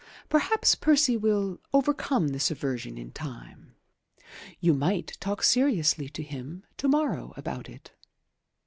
Perhaps Percy will overcome this aversion in time. You might talk seriously to him to morrow about it."